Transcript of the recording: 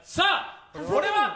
これは？